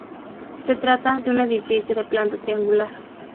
Se trata de un edificio de planta triangular.